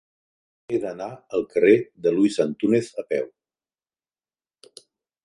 He d'anar al carrer de Luis Antúnez a peu.